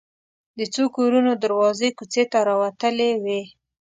د څو کورونو دروازې کوڅې ته راوتلې وې.